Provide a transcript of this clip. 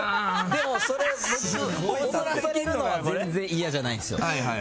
でもそれ僕、踊らされるのは全然嫌じゃないんですよ。